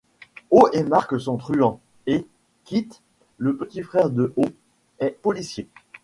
Ho et Mark sont truands, et Kit, le petit frère de Ho, est policier.